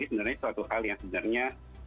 sebenarnya suatu hal yang sebenarnya